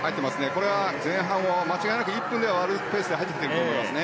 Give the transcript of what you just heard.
これは前半は間違いなく１分を割るペースで入ってきていると思います。